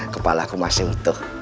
kepala aku masih utuh